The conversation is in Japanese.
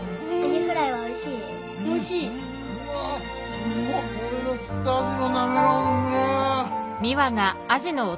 うわ俺の釣ったアジのなめろううめえ。